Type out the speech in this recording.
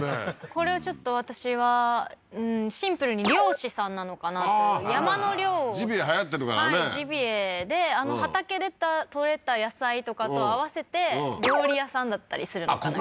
これちょっと私はシンプルに猟師さんなのかなと山の猟をジビエはやってるからねジビエであの畑で採れた野菜とかと合わせて料理屋さんだったりするのかな